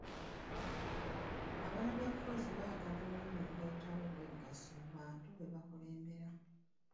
Bannabyabufuzi baagala Olulimi oluleetawo obwegassi mu bantu be bakulembera.